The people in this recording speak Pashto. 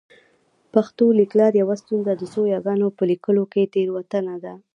پښتو لیکلار یوه ستونزه د څو یاګانو په لیکلو کې تېروتنه ده